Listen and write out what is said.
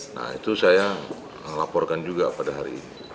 nah itu saya laporkan juga pada hari ini